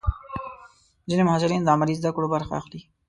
ځینې محصلین د عملي زده کړو برخه اخلي.